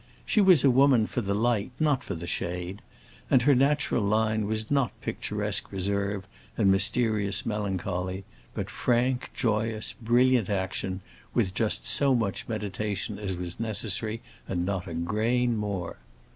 She was a woman for the light, not for the shade; and her natural line was not picturesque reserve and mysterious melancholy, but frank, joyous, brilliant action, with just so much meditation as was necessary, and not a grain more.